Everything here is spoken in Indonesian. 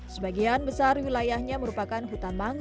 sebagian besar wilayahnya merupakan hutan mangrove